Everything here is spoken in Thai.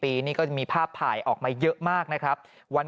ปี๖๕วันเกิดปี๖๔ไปร่วมงานเช่นเดียวกัน